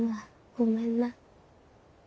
ごめんな。